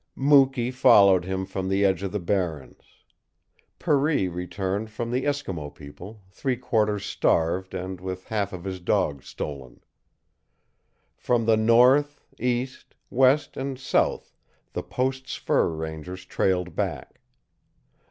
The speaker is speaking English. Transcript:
Mukee followed him from the edge of the barrens. Per ee returned from the Eskimo people, three quarters starved and with half of his dogs stolen. From the north, east, west, and south the post's fur rangers trailed back.